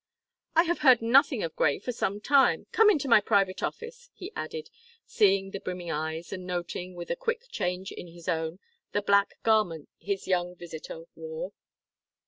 "I have heard nothing of Grey for some time. Come into my private office," he added, seeing the brimming eyes, and noting, with a quick change in his own, the black garments his young visitor wore.